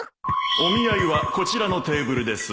お見合いはこちらのテーブルです